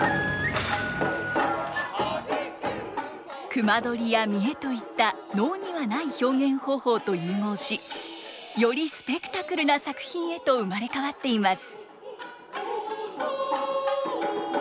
隈取りや見得といった能にはない表現方法と融合しよりスペクタクルな作品へと生まれ変わっています。